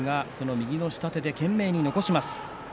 右の下手で懸命に残します。